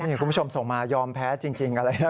นี่คุณผู้ชมส่งมายอมแพ้จริงอะไรนะ